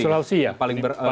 di sulawesi ya